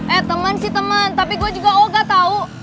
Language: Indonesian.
eh temen sih temen tapi gue juga oga tau